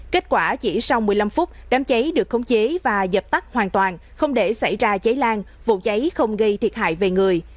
kết quả chỉ sau một mươi năm phút đám cháy được khống chế và dập tắt hoàn toàn không để xảy ra cháy lan vụ cháy không gây thiệt hại về người